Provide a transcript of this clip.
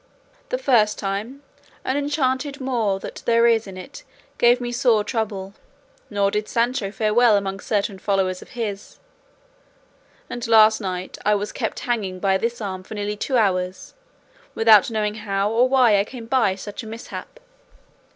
The first time, an enchanted Moor that there is in it gave me sore trouble, nor did Sancho fare well among certain followers of his; and last night I was kept hanging by this arm for nearly two hours, without knowing how or why I came by such a mishap.